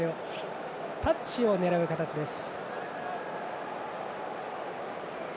タッチを狙う形です。